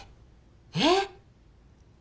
えっ！？